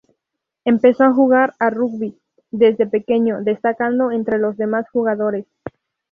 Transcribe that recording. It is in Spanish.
Empezó a jugar a rugby desde pequeño, destacando entre los demás jugadores.